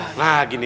oh sini sini